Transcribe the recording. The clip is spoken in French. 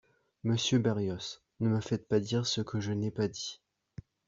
Monsieur Berrios, ne me faites pas dire ce que je n’ai pas dit.